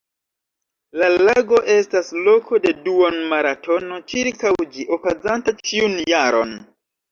La lago estas loko de duon-maratono ĉirkaŭ ĝi, okazanta ĉiun jaron.